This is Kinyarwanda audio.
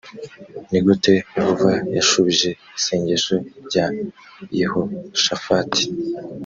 ni gute yehova yashubije isengesho rya yehoshafati